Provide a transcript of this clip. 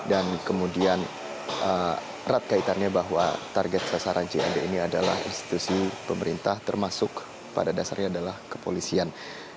dan kemudian rat kaitannya bahwa target sasaran jad ini adalah institusi pemerintah termasuk pada dasarnya adalah kepolisian